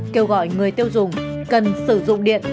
kêu gọi người tiêu dùng cần sử dụng điện